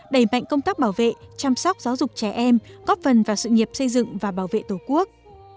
đẩy mạnh công tác bảo vệ chăm sóc giáo dục trẻ em góp phần vào sự nghiệp xây dựng và bảo vệ tổ quốc